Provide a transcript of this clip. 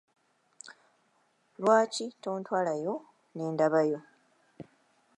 Lwaki tontwalayo nendabayo?